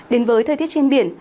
đến với thời tiết trên biển